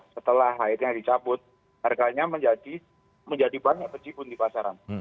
setelah het nya dicabut harganya menjadi menjadi banyak bejibun di pasaran